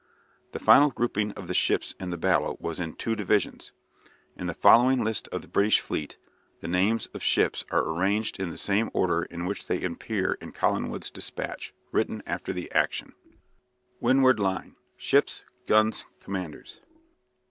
The final grouping of the ships in the battle was in two divisions. In the following list of the British fleet the names of ships are arranged in the same order in which they appear in Collingwood's dispatch, written after the action: WINDWARD LINE. Ships. Guns. Commanders.